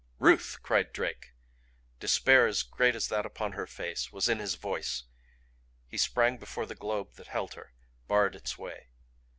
"Ruth!" cried Drake; despair as great as that upon her face was in his voice. He sprang before the globe that held her; barred its way.